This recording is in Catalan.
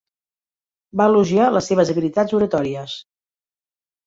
Va elogiar les seves habilitats oratòries.